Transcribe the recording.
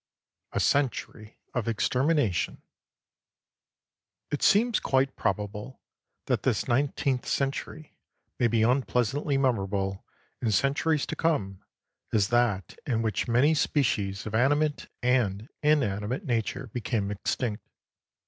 L A CENTURY OF EXTERMINATION It seems quite probable that this nineteenth century may be unpleasantly memorable in centuries to come as that in which many species of animate and inanimate nature became extinct.